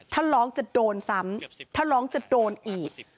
ถ้าร้องจะโดนซ้ำถ้าร้องจะโดนอีก